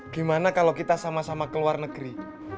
gimana kalau kita sama sama keluar negeri